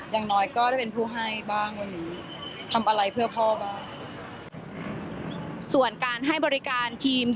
อย่างน้อยก็ได้เป็นผู้ให้บ้างวันนี้ทำอะไรเพื่อพ่อบ้าง